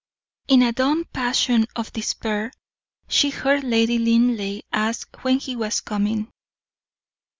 In a dumb passion of despair, she heard Lady Linleigh ask when he was coming.